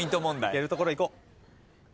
・いけるところいこう。